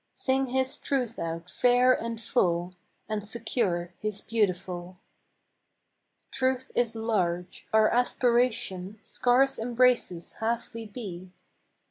Sing His Truth out fair and full, And secure His beautiful. Truth is large. Our aspiration Scarce embraces half we be.